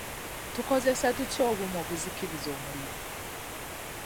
Tukozesa tutya obuuma obuzikiriza omuliro?